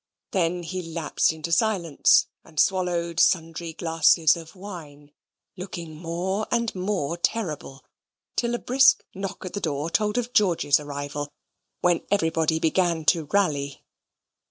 Then he lapsed into silence, and swallowed sundry glasses of wine, looking more and more terrible, till a brisk knock at the door told of George's arrival when everybody began to rally.